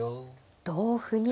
同歩には。